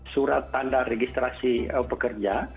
surat tanda registrasi pekerja